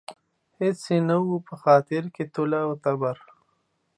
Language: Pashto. هېڅ يې نه وي په خاطر کې تولاً و تبرا